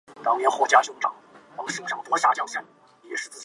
黑天竺鱼为天竺鲷科天竺鱼属的鱼类。